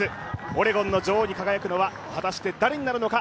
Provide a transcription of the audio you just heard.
オレゴンの女王に輝くのは果たして誰になるのか。